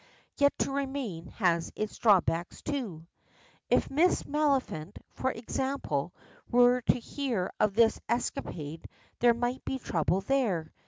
Yet to remain has its drawbacks, too. If Miss Maliphant, for example, were to hear of this escapade there might be trouble there.